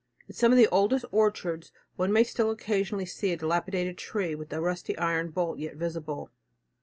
In some of the oldest orchards one may still occasionally see a large dilapidated tree with the rusty iron bolt yet visible.